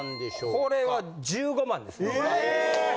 これは１５万ですね。